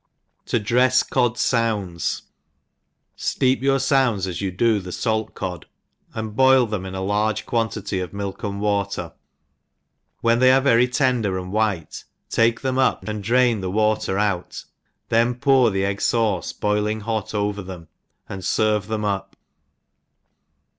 T!o drefs Cod Sounds. STEEP your founds as you do the fait cod, and boil them in a large quantity of milk and water, when they are very tender and white take them up, and drain the water out, then pour the egg fauce boiling hot over them^ and fervc them up